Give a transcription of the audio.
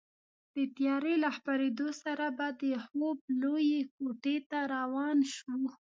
د تیارې له خپرېدو سره به د خوب لویې کوټې ته روان شوو.